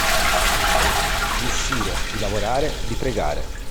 Di uscire, di lavorare, di pregare.